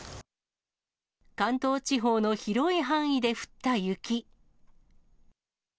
関東地方の広い範囲で降った雪。